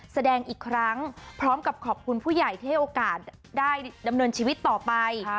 แสดงอีกครั้งพร้อมกับขอบคุณผู้ใหญ่ที่ให้โอกาสได้ดำเนินชีวิตต่อไป